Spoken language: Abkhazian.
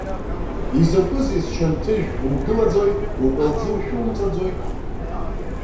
Изакәызеи, счанҭыжә, умгылаӡои, укәалӡы ушәумҵаӡои?